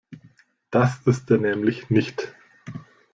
Das ist er nämlich nicht.